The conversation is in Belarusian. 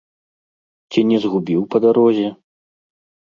Ці не згубіў па дарозе?